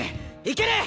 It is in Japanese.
いける！